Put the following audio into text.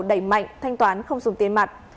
đẩy mạnh thanh toán không dùng tiền mặt